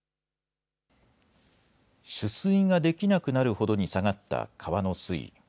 取水ができなくなるほどに下がった川の水位。